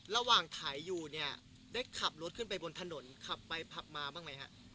ระหว่างถ่ายอยู่เนี่ยได้ขับรถขึ้นไปบนถนนขับไปขับมาบ้างไหมฮะ